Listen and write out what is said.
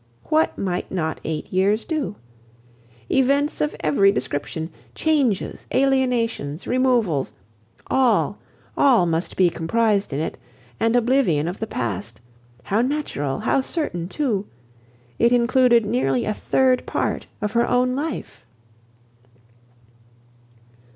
What might not eight years do? Events of every description, changes, alienations, removals—all, all must be comprised in it, and oblivion of the past— how natural, how certain too! It included nearly a third part of her own life.